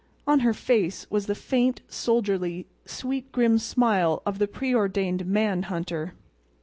On her face was the faint, soldierly, sweet, grim smile of the preordained man hunter.